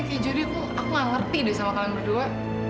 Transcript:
kayak jadi aku gak ngerti deh sama kalian berdua